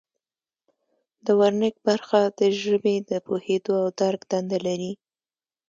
د ورنیک برخه د ژبې د پوهیدو او درک دنده لري